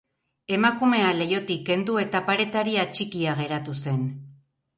Emakumea leihotik kendu eta paretari atxikia geratu zen.